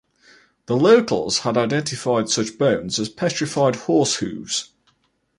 The locals had identified such bones as petrified horse hooves.